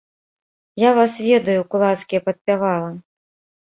Я вас ведаю, кулацкія падпявалы!